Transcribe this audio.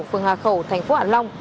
phường hà khẩu tp hcm